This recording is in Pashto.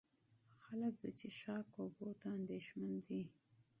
خلک د څښاک اوبو ته اندېښمن دي.